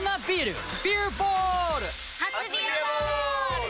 初「ビアボール」！